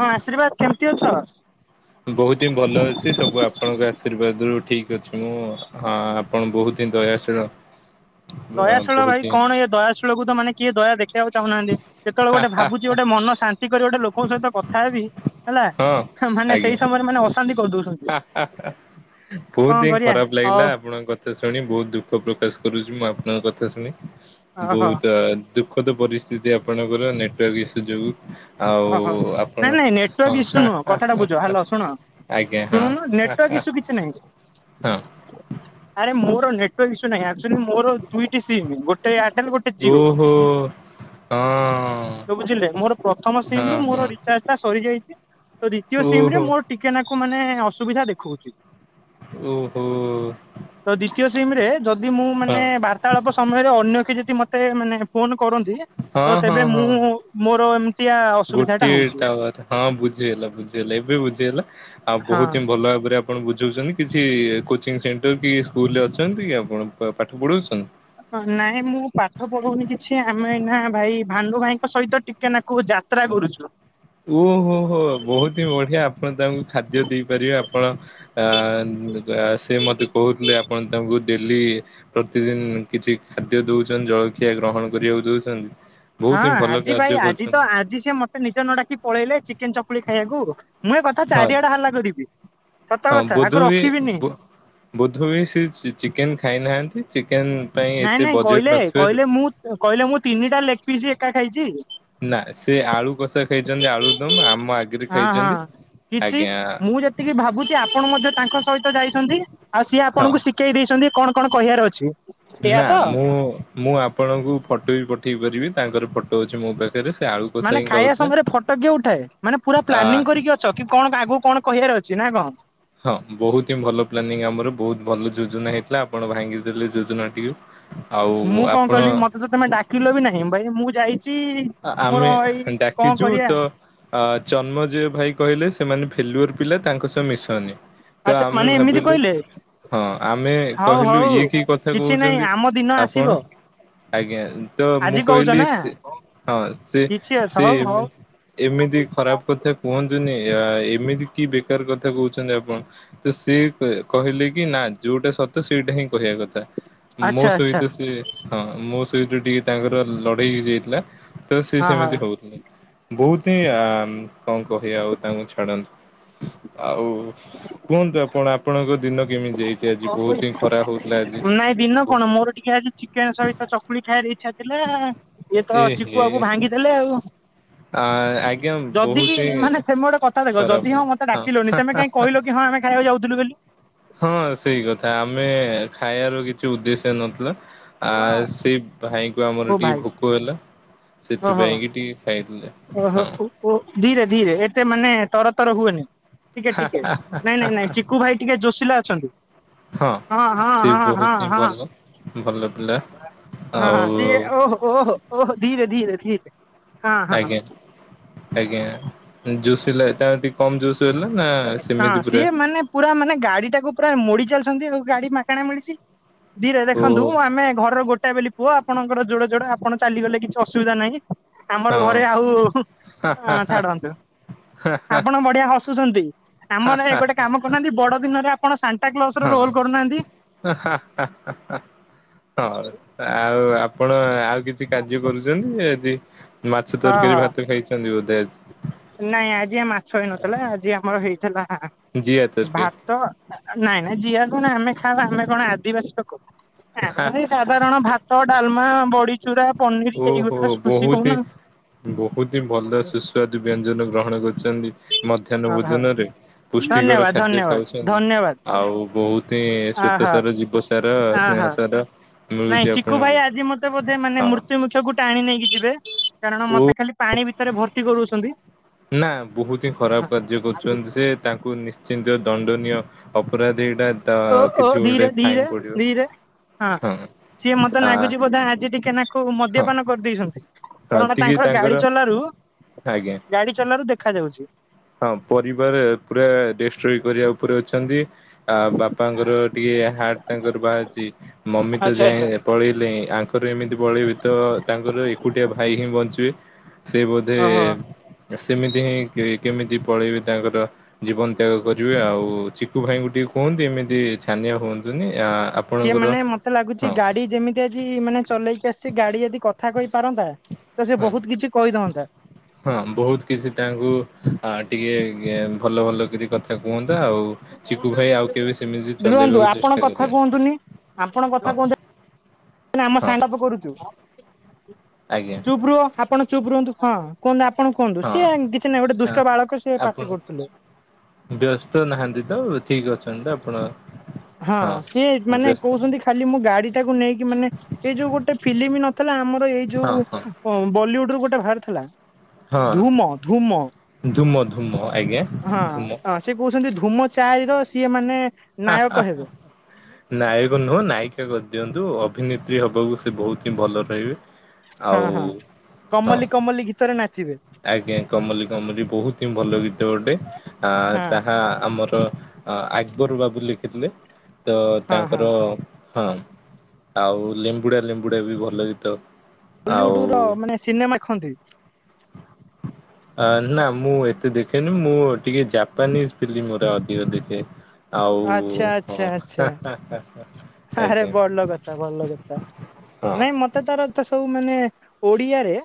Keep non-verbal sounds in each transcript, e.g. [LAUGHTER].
ହଁ ଆଶୀର୍ବାଦ କେମିତି ଅଛ? ବହୁତ ହିଁ ଭଲ ଅଛି ସବୁ ଆପଣଙ୍କ ଆଶୀର୍ବାଦ ର ଠିକ୍। ଠିକ ଅଛି ମୁଁ ହଁ ଆପଣ ବହୁତ ହିଁ ଦୟାଶିଳ। ଦୟାଶିଳ ଭାଇ କଣ ଏଇ ଦୟାଶିଳକୁ ତ ମାନେ କିଏ ଦୟା ଦେଖିବାକୁ ଚାହୁଁନାହାନ୍ତି। କେତେବେଳେ ଗୋଟେ ଭାବୁଛି ଗୋଟେ ମନ ଶାନ୍ତି କରି ଗୋଟେ ଲୋକଙ୍କ ସହିତ କଥା ହେବି ହେଲା ମାନେ ସେଇ ସମୟରେ ମାନେ ଅସ ହାଃ ହାଃ। କଣ ବହୁତ ହିଁ କରିବା ଖରାପ ହଉ ଲାଗିଲା ଆପଣଙ୍କ କଥା ଶୁଣି ବହୁତ ଦୁଃଖ ପ୍ରକାଶ କରୁଛି ମୁଁ ଆ ଆପଣଙ୍କ କଥା ଶୁଣି ଓହୋ ବହୁତ ଦୁଃଖଦ ପରିସ୍ଥିତି ଆଉ। ଆପଣଙ୍କର ଟୱାର୍କ ଇସୁ ଯୋଗୁଁ। ଓହୋ ନାଇଁ ନାଇଁ ହଁ ନେଟୱାର୍କ ଇସୁ ହଁ ନୁହଁ କଥାଟା ବୁଝ ହ୍ୟାଲୋ ଶୁଣ। ଆଜ୍ଞା ହଁ ଶୁଣୁନୁ ନେଟୱର୍କ ଇସୁ କିଛି ନାହିଁ ଆରେ ମୋର ନେଟୱାର୍କ ଇସୁ ନାଇ ଆ ଆକ୍ ଚୁଅଲି ମୋର ଦୁଇଟି ସିମ୍ ଗୋଟେ ଏୟାରଟେଲ ଗୋଟେ ଜିଓ। ହଁ ଓହୋ ହଁ। ତ ବୁଝିଲେ ମୋର ପ୍ର ସିମ୍ ହଁ ରୁ ହଁ ମୋର ରିଚାର୍ଜ ଟା ସରିଯାଇଛି ତ ଦ୍ଵିତୀୟ ଓହୋ ସିମରେ ମୋର ଟିକେ ନା ତ ମାନେ ଅସୁବିଧା ଦେଖଉଛି। ଓହୋ। ତ ଦ୍ଵିତୀୟ ସିମରେ ଯଦି ମୁଁ ମାନେ ହଁ ବାର୍ତ୍ତାଳାପ ସମୟରେ ଅନ୍ୟ କିଛି ମତେ ମାନେ ଫୋନ କରନ୍ତି ତ ହଁ ତେବେ ମୁଁ ହଁ। ମୋର ଏମ ଗୋଟିଏ ଟାୱାର ହଁ ବୁଝିହେଲା ବୁଝିହେଲା ଏବେ ବୁଝିହେଲା ଆଉ ବହୁତ ହଁ ହିଁ ଭଲ ଭାବରେ ଆ ଆପଣ ବୁଝାଉଛନ୍ତି କିଛି କୋଚିଂସେଣ୍ଟର କି ସ୍କୁଲରେ ଅଛନ୍ତି କି ଆପଣ ପାଠ ପଢ଼ଉଛନ୍ତି। ନାଇଁ ମୁଁ ପାଠ ପଢଉନି କିଛି ଆମେ ଭାଇ ଭାଣ୍ଡୁ ଭାଇଙ୍କ ସହିତ ଟିକେ ନାକୁ ଯା ଯାତ୍ରା କରୁଛୁ। ଓହୋ ହୋ ବହୁତି ହିଁ ବଢିଆ ଆପଣ ତାଙ୍କୁ ଖାଦ୍ୟ ଦେଇପାରିବେ ଆପଣ ଅ ଉମ‌ ତା ସେ ମତେ କହୁଥିଲେ ଆପଣ ତାଙ୍କୁ ଡେଲି ପ୍ରତିଦିନ କିଛି ଖାଦ୍ୟ ଦେଉଚନ୍ତି ଜଳଖିଆ ଗ୍ରହଣ କରିବାକୁ ଦେଉଚନ୍ତି। ହଁ ଆଜି ଭାଇ ଆଜି ତ ଆଜି ସେ ମତେ ନିଜ ନ ଡାକି ପଳେଇଲେ ଚିକେନ, ଚକୁଳି ଖାଇବାକୁ। ମୁଁ ଏ କଥା ହଁ ଚାରିଆଡେ ହାଲ୍ଲା କରିବି। ସତ ହଁ କଥା ଆକୁ ବୁଧ ବି ରଖିବିନି। ବୁ ବୁଧ ବି ସେ ଚି ଚିକେନ୍ ଖାଇନାହାନ୍ତି। ଚିକେନ ପାଇଁ ନାଇଁ ଏତେ ନାଇଁ ବଜେଟ କହିଲେ ନଥିବାରୁ କହିଲେ ମୁଁ କହିଲେ ମୁଁ ତିନିଟା ଲେଗପିସ୍ ଏକା ଖାଇଛି। ନାଁ ସେ ଆଳୁ କଷା ଖାଇଚନ୍ତି ଆଳୁ ଦମ ଆମ ଆଗେରେ ହଁ ହଁ ଖାଇଚନ୍ତି କିଛି ଆଗିଆଁ ମୁଁ ଯେତିକି ଭାବୁଚି ଆପଣ ମଧ୍ୟ ତାଙ୍କ ସହିତ ଯାଇଛନ୍ତି ଆଉ ସିଏ ହଁ ଆପଣଙ୍କୁ ଶିକେଇ ଦେଇଛନ୍ତି କଣ କଣ କହିଆର ଅଛି। ଏଇଆ ନାଁ ତ? ମୁଁ ମୁଁ ଆପଣଙ୍କୁ ଫଟୋ ଇ ପଠେଇ ପାରିବି ତାଙ୍କର ଫଟୋ ଅଛି ମୋ ପାଖରେ। ସେ ଆଳୁ କଷା ମାନେ ହିଁ ଖାଇବା ଖାଉଥିଲେ ସମୟରେ ଫଟ କିଏ ଉଠାଏ ମାନେ ପୁରା ଆ ପ୍ଲାନିଂ କରିକି ଅଛ କି କଣ ପା ଆଗୁକୁ କଣ କହିଆର ଅ ଛି ନାଁ କଁ? ହଁ ବହୁତ୍ ହିଁ ଭଲ ପ୍ଲାନିଂ ଆମର ବହୁତ ଭଲ ଯୋଜନା ହେଇ ଲା ଆପଣ ଭାଙ୍ଗି ଦେଲେ ଯୋଜନାଟିକୁ ମୁଁ ଆଉ କଣ ଆପଣ କଲି ମତେ ତ ତମେ ଡାକିଲ ବି ନାହିଁ ଭାଇ ମୁଁ ଯାଇଛି ଆ ମୋର ଆମେ ଏଇ କଣ ଡାକିଚୁ କରିବା ତ ଅ ଚନ୍ମଜୟ ଭାଇ କହିଲେ ସେମାନେ ଫେଲୁଅର୍ ପିଲା ତାଙ୍କ ସହ ମିଶନି ତ ଆଚ୍ଛା ଆମେ ମାନେ ଏମିତି ଭାବିଲୁ କହିଲେ ହଁ ଆମେ ହଉ କହିଲୁ ହଉ ଇଏ କି କଥା କିଛି ନାଇଁ କୋହୁଚନ୍ତି ଆମ ଦିନ ଆପଣ? ଆସିବ ଆଜ୍ଞା ତ ମୁଁ ଆଜି କହୁଛ କହିଲି ନା ସେ ହଁ ସେ କିଛି ଅଛି ସେ ହଉ ହଉ। ଏମି ଏମିତି ଖରାପ କଥା କୁହନ୍ତୁନି। ୟା ଏମିତି କି ବେକାର କଥା କୋହୁଛନ୍ତି ଆପଣ ତ ସିଏ କ କହିଲେ କି ନାଁ ଯୋଉଟା ସ ଅ ତ ସେଇଟା ହିଁ କହିଆ କ ତା ମୋ ଆଚ୍ଛା ଆଚ୍ଛା ସହିତ ସିଏ ହଁ ମୋ ସହିତ ଟିକେ ତାଙ୍କର ଲଢ଼େଇ ହେଇଯାଇଥିଲା। ତ ସିଏ ହଁ ସେମିତି ହଉଥୁଲେ ବହୁତ ହିଁ ଆମ୍ କଁ କହିବା ଆଉ ତାଙ୍କୁ ଛାଡ଼ନ୍ତୁ। ଆଉ କୁହନ୍ତୁ ଆପଣ ଆପଣଙ୍କ ଦିନ କେମିତି ଯାଇଚି ଆ [INAUDIBLE] ନାଇଁ ଦିନ କଣ ମୋର ଟିକେ ଆଜି ଚିକେନ୍ ସହିତ ଚକୁଳି ଖାଇଆର ଇଚ୍ଛା ଥିଲା ଆ ଇଏ ଏ ତ ଚିକୁୁଆବୁ ହେ ଭାଙ୍ଗିଦେଲେ ଆଉ। ଆ ଆଜ୍ଞା ଯଦି ବହୁତ କି ହିଁ ମାନେ ସେ ମୁଁ ଅଟେ କଥା ଦେଖ ଖରାପ ଯଦି ହଁ ହେଲା ମତେ ଡାକିଲନି ତେମେ କାହିଁ କହିଲ କି ହଁ ହଁ ଆମେ ଖାଇବାକୁ ଯାଉଥୁଲୁ ବେଲି। ହଁ ସେଇ କଥା ଆମେ ଖାଇବାର କିଛି ଉଦ୍ଦେଶ୍ୟ ନଥିଲା। ଆ ସେଇ ଭାଇଙ୍କୁ ଆମର ଓ ଟିଏ ଭାଇ ଭୋକ ହେଲା। ଓହୋ ସେଥିପାଇଁ କି ଟିକେ ଖାଇଥିଲେ ଓହୋ ହଁ ଓ ଓ ଧୀରେ ଧୀରେ ଏତେ ମାନେ ତର ତର ହୁଅନି ଟିକେ ଟିକେ ନାଇଁ ନାଇଁ ନାଇଁ ଚିକୁୁ ଭାଇ ଟିକେ ଜୋସିଲା ଅଛନ୍ତି। ହଁ ହଁ ସେ ହଁ ହଁ ବହୁତ ହିଁ ହଁ। ଭଲ। ଭଲ ପିଲା ହଁ ଆଉ ତିଏ ଓହୋ ଓହୋ ଓହୋ ଧୀରେ ଧୀରେ ଧୀରେ। ହଁ ହଁ। ଆଜ୍ଞା ଆଜ୍ଞା ଜୁସିଲାଟା ଟିଏ କମ୍ ଜୁସ୍। ହେଲା ନା ହଁ ସେମିତି ପୁରା ସିଏ ମାନେ ପୁରା ମାନେ ଗାଡ଼ିଟାକୁ ପୁରା ମୋଡ଼ି ଚାଲଛନ୍ତି ଆଉ ଗାଡ଼ି ମାଗଣା ମିଳିଛି। ଧୀରେ ଦେଖନ୍ତୁ ଓହୋ ହଁ। ଆମେ ଘରର ଗୋ ଟାଏ ବେଲି ପୁଅ ଆପଣଙ୍କର ଯୋଡ଼େ ଯୋଡ଼େ ଆପଣ ଚାଲିଗଲେ କିଛି ଅସୁବିଧା ନାହିଁ। ଆମର ହା ଘରେ ଆଉ ହା ଆ ଛାଡ଼ନ୍ତୁ ଆପଣ ବଢ଼ିଆ ହସୁଛନ୍ତି। ଆମ ଧାଏ ହା ଗୋଟେ କାମ କରୁନାହାନ୍ତି ବଡ଼ ଦିନରେ ଆପଣ ଶା ହଁ ହଁ ହଉ ଆଉ ଆ ଆପଣ ଆଉ କିଛି କାର୍ଯ୍ୟ କରୁଛନ୍ତି ଆଜି ମାଛ ହଁ ତରକାରୀ ହଁ ଭାତ ଖାଇଛନ୍ତି ବୋଧେ ଆଜି। ନାଇଁ ଆଜି ମାଛ ହେଇନଥିଲା ଆଜି ଆମର ହେଇଥିଲା ଆ ଜିଆ ତରକାରୀ ଭାତ ନାଇଁ ନାଇଁ ଜିଆ କଣ ଆମେ ଖାଉ ଆମେ କଣ ଆଦିବାସୀ ଲୋକ? ଆମେ ହା ବି ସାଧାରଣ ଭାତ, ଡାଲମା, ବଡ଼ି ଓହୋ ବହୁତ ହି ବହୁତ ହି ଭଲ ସୁସ୍ୱାଦୁ ବ୍ୟ ଞ୍ଜନ ଗ୍ରହଣ କରୁଚନ୍ତି ମଧ୍ୟାହ୍ନ ଓହୋ ଭୋଜନରେ ପୁଷ୍ଟିକର ଧନ୍ୟବାଦ ଖାଦ୍ୟ ଧନ୍ୟବାଦ ଖାଉଛନ୍ତି। ଧନ୍ୟବାଦ। ଆଉ ବହୁତ ହିଁ ଅହ ଶ୍ଵେତସାର, ଜୀବସାର, ଅହ ସ୍ନେହସାର ମିଳୁଛି ନାଇଁ ଚିକୁ ଆପଣଙ୍କୁ ଭାଇ ଆଜି ମତେ ବୋଧେ ମାନେ ହଁ ମୃତ୍ୟୁ ମୁଛକୁ ଟାଣି ନେଇକି ଯିବେ କାରଣ ଓ ମତେ ଖାଲି ପାଣି ଭିତରେ ଭର୍ତ୍ତି କରଉଛନ୍ତି। ନାଁ ବହୁତ ହିଁ ଖରାପ ହଁ। କାର୍ଯ୍ୟ କରୁଚନ୍ତି ସେ ତାଙ୍କୁ ନିଶ୍ଚିନ୍ତ ଦଣ୍ଡନୀୟ ଅପରା ଯେ ଏଟା ତ ଓ ଓ କିଛି ଧୀରେ ଗୋଟେ ଧୀରେ ଫାଇନ୍ ପଡ଼ିବ ଧୀରେ ହଁ। ସିଏ ମତେ ଆ ନାଗୁଚି ବୋଧେ ଆଜି ଟିକେ ନାଖୁ ହଁ ମଦ୍ୟପାନ କରିଦେଇଛନ୍ତି କାରଣ ତାଙ୍କର ଗାଡ଼ି ଚଲାରୁ ଆଜ୍ଞା। ଗାଡ଼ି ଚଲାରୁ ଦେଖା ଯାଉଚି। ହଁ ପରିବାର ପୁରା ଡେଷ୍ଟ୍ରଏ କରିବା ଉପରେ ଅଛନ୍ତି। ଆ ବାପାଙ୍କର ଟିକେ ହାର୍ଟ ତାଙ୍କର ବାହାରୁଛି। ମମି ତ ଆଚ୍ଛା ଆଚ୍ଛା ଯାଇ ପଳେଇଲେଣି। ଆ ପାରେ ଏମିତି ପଳେଇବି ତ ତାଙ୍କର ଏକୁଟିଆ ଭାଇ ହିଁ ବଞ୍ଚିବେ। ସେ ବୋଧେ ଓହୋ। ସେମିତି ହିଁ କି କେମିତି ପଳେଇବେ ତାଙ୍କର ଜୀବନ ତ୍ୟାଗ କରିବେ। ଆଉ ଚିକୁୁ ଭାଇଙ୍କୁ ଟିକେ କୁହନ୍ତି ଏମିତି ଛା ନ୍ୟ ହୁଅନ୍ତୁନି। ଆ ସିଏ ମାନେ ମତେ ଲାଗୁଛି ଗାଡି ଯେମିତି ଆଜି ମାନେ ଚଲେଇକି ଆସିସି ଗାଡି ଯଦି କଥା କହି ପାରନ୍ତା। ହଁ ହଁ ବହୁତ କିଛି ତାଙ୍କୁ ଟିକେ ଟିକେ ଭଲ ଭଲ କରି କଥା କୁହନ୍ତି। ଆଉ ଚିକୁ ଭାଇ ଆଉ କେବେ ସେମିତି ରୁହନ୍ତୁ ଚଲେଇବାକୁ ଆପଣ ଚେଷ୍ଟା କଥା କରିବ। କୁହନ୍ତୁନି ଆପଣ କଥା କହୁଛନ୍ତି ଆମ ହଁ ସାଙ୍ଗପ କରୁଛୁ। ଆଜ୍ଞା ଚୁପ୍ ରୁହ ଆପଣ ଚୁପ୍ ରୁହନ୍ତୁ ହଁ କୁହନ୍ତୁ। କଣ କୁହନ୍ତୁ ହଁ ସିଏ କିଛି ନାହିଁ ଗୋଟେ ଦୁଷ୍ଟ ବାଳକ ସିଏ ଆପଣ ପାାର୍ଟି କରୁଥିଲେ। ବ୍ୟସ୍ତ ନାହାନ୍ତି ତ ଠିକ ଅଛନ୍ତି। ଆପଣ ହଁ ସିଏ ମାନେ ବ୍ୟସ୍ତ କହୁଛନ୍ତି ଖାଲି ମୁଁ ଗାଡି ଟାକୁ ନେଇକି ମାନେ ଏଇ ଯୋଉ ଗୋଟେ ଫିଲ୍ମ ନଥିଲା। ଆମର ଏଇ ହଁ ଯୋଉ ହଁ ବଲିଉଡ ର ଗୋଟେ ଭାର ଥିଲା। ହଁ ଧୂମ ଧୂମ ଧୂମ ଧୂମ ଆଜ୍ଞା ହଁ ଧୂମ। ସେ କହୁଛନ୍ତି ଧୂମ ଚାହିର ସିଏ ମାନେ ନାୟକ ହେବେ ନାୟକୁ ନୁହଁ। ନାଇ ପରୀକ୍ଷା କରି ଦିଅନ୍ତୁ। ଅଭିନେତ୍ରୀ ହେବାକୁ ସେ ବହୁତ ହିଁ ଭଲ ରହିବେ। ହଁ ଆଉ ହଁ ହଁ କମଲି କମଲି ଗୀତରେ ନାଚିବେ। ଆଜ୍ଞା କମଲି କମଲି ବହୁତ ହିଁ ଭଲ ଗୀତ ଗୋଟେ। ଆ ହଁ ତାହା ଆମର ଆକବର ବାବୁ ଲେଖିଥିଲେ। ତ ହଁ ହଁ ତାଙ୍କର ହଁ ଆଉ ଲେମ୍ବୁଡା ଲେମ୍ବୁଡା ବି ଭଲ ଗୀତ। ଆଉ ବଲିଉଡ ର ମାନେ ସିନେମା ଖନ୍ତି। ନା ମୁଁ ଏତେ ଦେଖେନି। ମୁଁ ଟିକେ ଜାପାନିଜ ଫିଲ୍ମ ଅଧିକ ଦେଖେ। ଆଚ୍ଛା ଆଉ ଆଚ୍ଛା ହଁ। ଆଚ୍ଛା ଆରେ ଆଜ୍ଞା ଭଲ କଥା ଭଲ କଥା। ହଁ ନାଇଁ ମତେ ତାର ତ ସବୁ ମାନେ ଓଡିଆରେ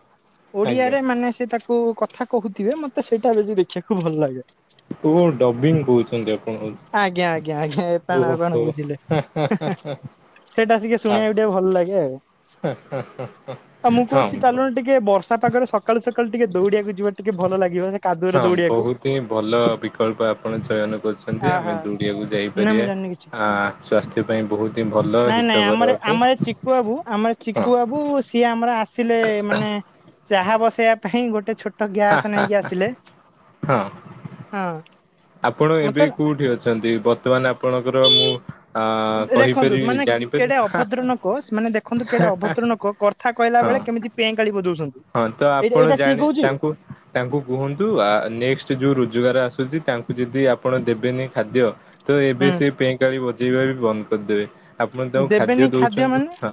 ଆଜ୍ଞା। ଓଡିଆରେ ମାନେ ସେ ତାକୁ କଥା କହୁଥିବେ ମତେ ସେଇଟା ଦେଖିବାକୁ ଭଲ ଲାଗେ। ଓ ଡବିଂ କହୁଛନ୍ତି ଆପଣ ଆଜ୍ଞା ଆଜ୍ଞା ଆଜ୍ଞା ଓ ଏପାଣ ଏପାଣ ଓହୋ। ବୁଝିଲେ ହ ହ। ସେଇଟା ସିକେ ଶୁଣିବାକୁ ଟିକେ ଭଲ ଲାଗେ ଆଉ। ଆଉ ମୁଁ କହୁଛି ହଁ। ଚାଲୁନୁ ଟିକେ ବର୍ଷା ପାଗରେ ସକାଳୁ ସକାଳୁ ଟିକେ ଦୌଡିିବାକୁ ହଁ ବହୁତ ହିଁ ଭଲ ବିକଳ୍ପ ଆପଣ ଚୟନ କରୁଛନ୍ତି। ଆମେ ଆହା ଦୁ ବୁଲିବାକୁ ଯାଇ ନାଇଁ ମୁଁ ପାରିବା। ଜାଣିନି କିଛି। ଆ ସ୍ୱାସ୍ଥ୍ୟ ପାଇଁ ବହୁତ ହିଁ ଭଲ ନାଇଁ ନାଇଁ ହିତକର ଆମର ଅଟେ ଆମ ଚିକୁୁ ବାବୁ ଆମ ହଁ ଚିକୁୁ ବାବୁ ସିଏ ଆମର ଆସିଲେ ମାନେ ଚାହା ବସେଇବା ପାଇଁ ଗୋଟେ ଛୋଟ ଗ୍ୟାସ ନେଇକି ଆସିଲେ। ହଁ। ହଁ। ଆପଣ ମତେ ଏବେ କୋଉଠି ଅଛନ୍ତି। ବର୍ତ୍ତମାନ ଆପଣଙ୍କର ମୁଁ ଆ ଦେଖନ୍ତୁ କହିପାରିବି ମାନେ ଜାଣିପାରିବି କେଡେ ଅଭଦ୍ର ନୋକ। ମାନେ ଦେଖନ୍ତୁ କେଡେ ଅଭଦ୍ର ନୋକ। କଥା କହିଲା ହଁ। ବେଳେ କେମିତି ପେଁକାଳୀ ବଯଉଛି। ହଁ ତ ଆପଣ ଜାଣି ତାଙ୍କୁ ତାଙ୍କୁ କୁହନ୍ତୁ। ଆ ନେଷ୍ଟ ଯୋଉ ଜୁ ଜୁଆର ଆସୁଛି ତାଙ୍କୁ ଯଦି ଆପଣ ଦେବେନି ଖାଦ୍ୟ। ତ ଏବେ ହୁଁ ସେ ପେଁକାଳୀ ବଜେଇବା ବି ବନ୍ଦ କରିଦେବେ ଆପଣ ତାଙ୍କୁ ଖାଦ୍ୟ ଦେବେନି ଦଉଛନ୍ତି। ମାନେ ହଁ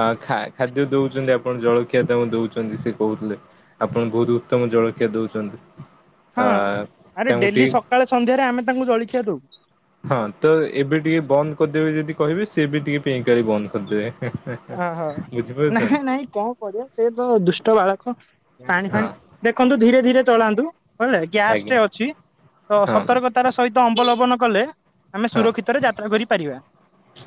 ଆଁ ଖା ଖାଦ୍ ଖାଦ୍ୟ ଦଉଛନ୍ତି। ଆପଣ ଜଳଖିଆ ତାଙ୍କୁ ଦଉ ସେ କହୁଥିଲେ ଆପଣ ବହୁତ ଉତ୍ତମ ଜଳଖିଆ ଦଉଛନ୍ତି। ହଁ ଆ ଆରେ ତାଙ୍କୁ ଡେଲି ଟିକେ ସକାଳେ ସନ୍ଧ୍ୟାରେ ଆମେ ତାଙ୍କୁ ଜଳଖିଆ ଦଉ। ହଁ ତ ଏବେ ଟିକେ ବନ୍ଦ କରିଦେବେ। ଯଦି କହିବେ ସିଏ ବି ଟିକେ ପେଁ କାଳି ବନ୍ଦ କରିଦେବେ । ଓହୋ ନାଇଁ ନାଇଁ କଣ କରିବା ସେ ତ ଦୁଷ୍ଟ ବାଳକ। ପାଣି ହଁ ଫାଣି ଦେଖନ୍ତୁ ଧୀରେ ଧୀରେ ଚଳାନ୍ତୁ। ବୁଝିଲେ ଗ୍ୟାସ ଆଜ୍ଞା ଟେ ଅଛି ତ ହଁ ସତର୍କତାର ସହିତ ଅବଲମ୍ବନ କଲେ ଆମେ ହଁ ସୁରକ୍ଷିତରେ ଯାତ୍ରା କରିପାରିବା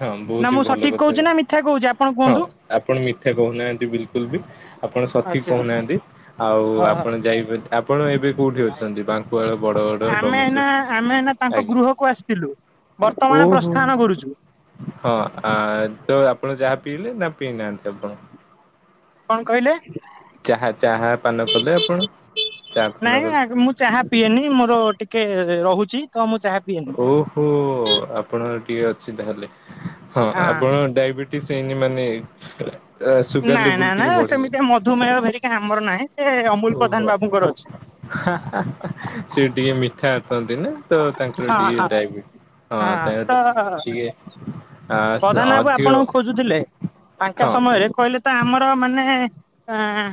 ହଁ ନା ବହୁତ ହି ମୁଁ ଭଲ ସଠିକ କହୁଛି କଥା ନା ମିଥ୍ୟା କହୁଛି? ଆପଣ ହଁ କୁହନ୍ତୁ ଆପଣ ମିଥ୍ୟା କହୁନାହାନ୍ତି ବିଲକୁଲ ବି ଆପଣ ସଠିକ ଆଚ୍ଛା କହୁନାହାନ୍ତି? ଆଉ ହଁ ଆପଣ ଯାଇ ଆପଣ ଏବେ କୋଉଠି ଅଛନ୍ତି ବାଙ୍କୁଆଳ ବଡ଼ଗଡ଼ ଆମେ ବ୍ରହ୍ମେଶ୍ଵର? ଏଇନା ଆମେ ତାଙ୍କ ଆଜ୍ଞା ଗୃହକୁ ଆସିଥିଲୁ । ବର୍ତ୍ତମାନ ଓହୋ ପ୍ରସ୍ଥାନ କରୁଛୁ । ହଁ ଆ ତ ଆପଣ ଚାହା ପିଇଲେ ନା ପିଇନାହାନ୍ତି ଆପଣ? କଣ କହିଲେ? ଚାହା ଚାହା ପାନ କଲେ ଆପଣ? ଚା ପାନ କଲେ? ନାଇଁ ମୁଁ ଚାହା ପିଏନି ମୋର ଟିକେ ରହୁଛି ତ ମୁଁ ଚାହା ପିଏନି। ଓହୋ ଆପଣ ଟିକେ ଅଛି ତାହେଲେ ହଁ ଆପଣ ଡାଇବେଟିସ୍ ହେଇନି ମାନେ ଆ, ସୁଗାର ନାଇଁ ଲେବୁଲ ନାଇଁ ନା ଟିକେ ସେମିତି ବଢିଯାଇଛି। ମଧୁମେହ ହେରିକା ଆମର ନାହିଁ ସେ ଅମୁଲ ଓହୋ ପ୍ରଧାନ ବାବୁଙ୍କର ଅଛି । ସେ ଟିକେ ମିଠା ଖାଆନ୍ତି ନା ତ ତାଙ୍କର ହଁ ଟିକେ ହଁ। ଡାଇବେ ହଁ ତାୟୁ ହିକ [UNINTELLIGIBLE] ପ୍ରଧାନ ବାବୁ ଆପଣଙ୍କୁ ଖୋଜୁଥିଲେ ତାଙ୍କ ହଁ ସମୟରେ କହିଲେ ତ ଆମର ମାନେ ଆଁ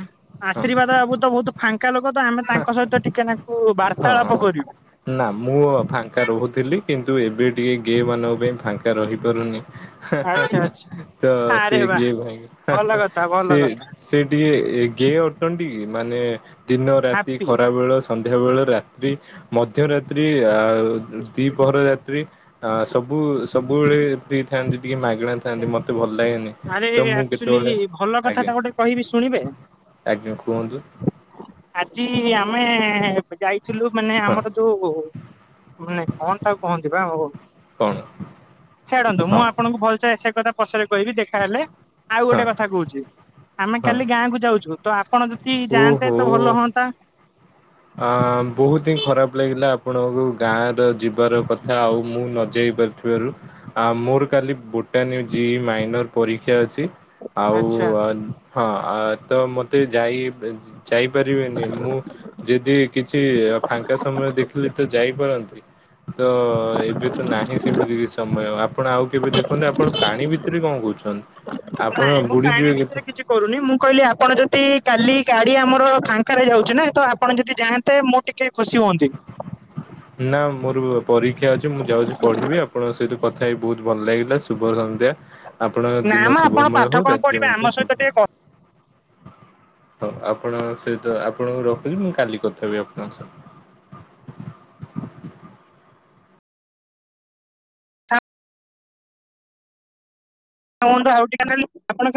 ହଁ। ଆଶୀର୍ବାଦ ବାବୁ ତ ବହୁତ ଏକା ଲୋକ ତ ଆମେ ତାଙ୍କ ସହିତ ଟିକେ ତାଙ୍କୁ ବାର୍ତ୍ତାଳାପ ହଁ। କରିବୁ। ନା ମୁଁ ଫାଙ୍କା ରହୁଥିଲି କିନ୍ତୁ ଏବେ ଟିକେ ଗେ-ମାନଙ୍କ ପାଇଁ ଫାଙ୍କା ରହିପାରୁନି। ଆଚ୍ଛା ଆଚ୍ଛା ତ ସେ ଆରେ ବା କିଏ ଭାଇ ଭଲ କଥା ଭଲ ସେ କଥା ସେ ଟିକେ ଏ ଗେ ଅଟନ୍ତି ମାନେ ଦିନ ରାତି ହାପି ଖରା ବେଳ ସନ୍ଧ୍ୟାବେଳେ ରାତ୍ରି ମଧ୍ୟରାତ୍ରି ଆ ଦିପହର ସବୁ ସବୁବେଳେ ଫ୍ରୀ ଥାନ୍ତି ଟିକେ ମାଗଣା ଥାନ୍ତି ମତେ ଭଲ ଲାଗେନି। ଆରେ ତ ମୁଁ ଆଚୁଆଲି କେତେବେଳେ ଭଲ କଥା ଆଜ୍ଞା ଟା ଗୋଟେ କହିବି ଶୁଣିବେ? ଆଜ୍ଞା କୁହନ୍ତୁ। ଆଜି ଆମେ ଯାଇଥିଲୁ ମାନେ ହଁ ଆମର ଯୋଉ ମାନେ କଣ ତାକୁ କୁହନ୍ତି ବା ଓହୋ। କଣ? ଛାଡ଼ନ୍ତୁ ମୁଁ ହଁ ଆପଣଙ୍କୁ ଭଲସେ ସେ କଥା ପଛରେ କହିବି ଦେଖାହେଲେ ଆଉ ହଁ ଗୋଟେ କଥା କହୁଛି ଆମେ ହଁ କାଲି ଗାଁ କୁ ଯାଉଛୁ ତ ଆ ଆପଣ ଯଦି ଯାଆନ୍ତେ ତ ଭଲ ହୁଅନ୍ତା। ଅ ବହୁତ ହିଁ ଖରାପ ଲାଗିଲା ଆପଣଙ୍କୁ ଗାଁ ର ଯିବାର କଥା ଆଉ ମୁଁ ନଯାଇ ଥିବାରୁ ଆ ମୋର କାଲି ବୋଟାନୀ ଜି ମାଇନର୍ ପରୀକ୍ଷା ଅଛି। ଆଉ ଆଚ୍ଛା ହଁ ତ ମତେ ଯାଇ ଯାଇପାରିବେନି ମୁଁ ଯଦି କିଛି ଫାଙ୍କା ସମୟ ଦେଖିଲେ ତ ଯାଇପାରନ୍ତି। ତ ଏବେ ତ ନାହିଁ ସେମିତି ବି ସମୟ ଆପଣ ଆଉ କେବେ ଦେଖନ୍ତୁ ଆପଣ ପାଣି ବି [UNINTELLIGIBLE] କଣ କହୁଛନ୍ତି? ନାଇଁ ମୁଁ ପାଣି ଭିତରେ କିଛି କରୁନି । ମୁଁ କହିଲି ଆପଣ ଯଦି କାଲି ଗାଡି ଆମର ଫାଙ୍କାରେ ଯାଉଛି ନାଇଁ ତ ଆପଣ ଯଦି ଯାଆନ୍ତେ ମୁଁ ଟିକେ ଖୁସି ହୁଅନ୍ତି। ନା ମୋର ପରୀକ୍ଷା ଅଛି ମୁଁ ଯାଉଛି ପଢିବି । ଆପଣଙ୍କ ସହିତ କଥା ହେଇ ବହୁତ ଭଲ ଲାଗିଲା ।ଶୁଭ ସନ୍ଧ୍ୟା ଆପଣଙ୍କ ନା ମ ଦିନ ଆପଣ ଶୁଭମୟ ପାଠ ହଉ। କଣ ରାତ୍ରି ପଢିବେ ଆମ ମଧ୍ୟ ଶୁଭ ସହିତ ଟିକେ କ ହଉ। ହଉ ଆପଣ ସହିତ ଆପଣଙ୍କୁ ରଖୁଛି ମୁଁ କାଲି କଥା ହେବି ଆପଣଙ୍କ ସହ [UNINTELLIGIBLE]